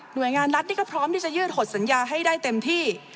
โดยงานรัฐนี่ก็พร้อมที่จะยืดหดสัญญาให้ได้เต็มที่